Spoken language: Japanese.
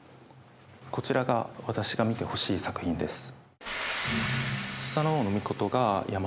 こちらが私が見てほしい作品です。